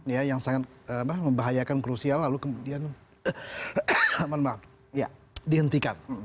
ya yang sangat membahayakan krusial lalu kemudian dihentikan